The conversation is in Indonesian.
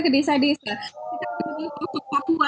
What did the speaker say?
ke desa desa kita ke papua